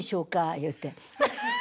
言うて。